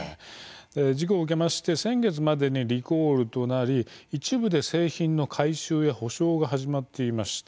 事故を受けまして先月までにリコールとなり一部で製品の回収や補償が始まっていました。